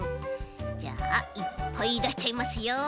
じゃあいっぱいだしちゃいますよ。